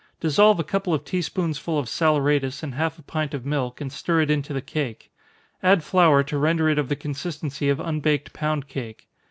Dissolve a couple of tea spoonsful of saleratus in half a pint of milk, and stir it into the cake. Add flour to render it of the consistency of unbaked pound cake.